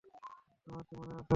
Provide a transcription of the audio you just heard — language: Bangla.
আমাকে মনে আছে?